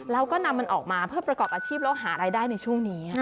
แล้วก็นำมันออกมาเพื่อประกอบอาชีพแล้วหารายได้ในช่วงนี้